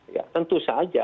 ya tentu saja